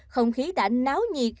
không khí đã náo nhiệt